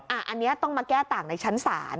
อันนี้ต้องมาแก้ต่างในชั้นศาล